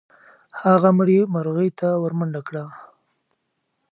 هغه مړې مرغۍ ته ورمنډه کړه.